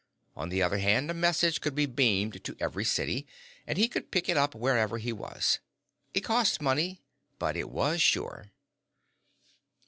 On the other hand, a message could be beamed to every city, and he could pick it up wherever he was. It cost money, but it was sure.